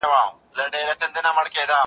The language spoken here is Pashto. تاک له مستۍ کوږ خيژي انګورکوي